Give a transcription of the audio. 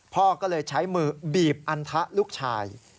พ่อก็เลยใช้มือบีบอันทะลูกชาย